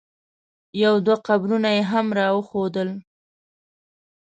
یو دوه قبرونه یې هم را وښودل.